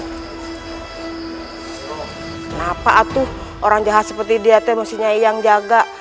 kenapa atuh orang jahat seperti dia temusnya nyai yang jaga